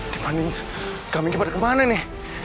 di mana kami pergi kemana ini